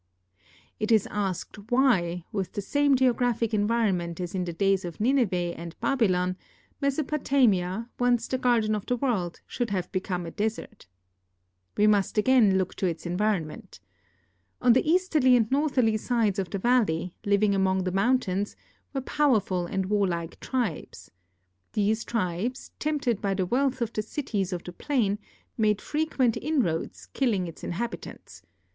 It is asked why, with the same geographic environment as in the days of Nineveh and Babylon, Mesopotamia, once the garden of the world, should have become a desert. We must again look to its environment. On the easterly and northerly sides of the valley, living among the mountains, were powerful and warlike tribes. These tribes, tempted by the wealth of the cities of the plain, made frequent inroads, killing its inhabitants.